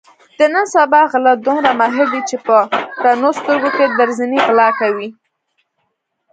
د نن سبا غله دومره ماهر دي په رڼو سترګو کې درځنې غلا کوي.